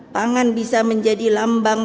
pangan bisa menjadi lambang